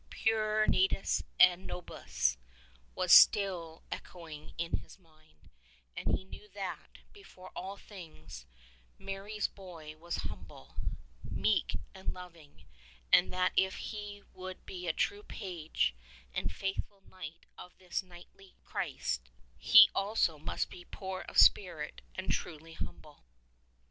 Piter natiis est nobis, was still 67 echoing in his mind, and he knew that, before all things, Mary's Boy was humble, meek and loving, and that if he would be a true page and faithful knight of the kingly Christ, he also must be poor of spirit, and truly humble.